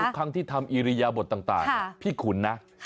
ครั้งที่ทำอิริยบทต่างพี่ขุนนะ